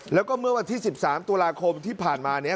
แล้วก็เมื่อวันที่๑๓ตุลาคมที่ผ่านมาเนี่ย